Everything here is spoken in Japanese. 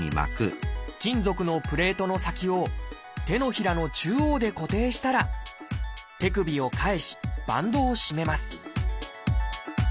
金属のプレートの先を手のひらの中央で固定したら手首を返しバンドを締めます